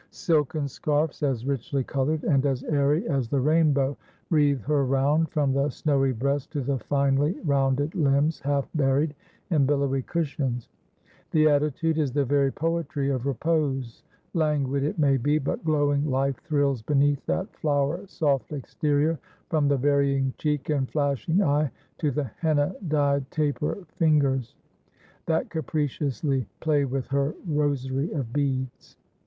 Silken scarfs, as richly coloured and as airy as the rainbow, wreathe her round, from the snowy breast to the finely rounded limbs half buried in billowy cushions; the attitude is the very poetry of repose, languid it may be, but glowing life thrills beneath that flower soft exterior, from the varying cheek and flashing eye, to the henna dyed taper fingers, that capriciously play with her rosary of beads.